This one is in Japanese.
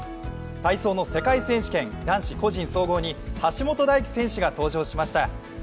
体操の世界選手権、男子個人総合に橋本大輝選手が登場しました。